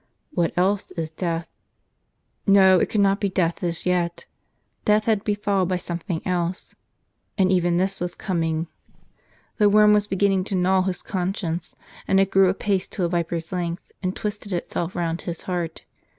What else is death ? JSTo, it could not be death as yet. Death had to be fol lowed by something else. But even this was coming. The worm was beginning to gnaw his conscience, and it grew apace to a viper's length, and twisted itself round his heart.